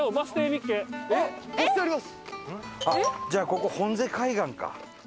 じゃあここ本瀬海岸か。